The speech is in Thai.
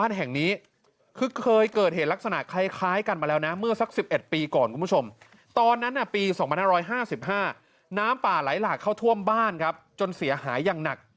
ตอนนั้นปี๒๕๕๕น้ำป่าไหลหลากเข้าท่วมบ้านจนเสียหายอย่างหนัก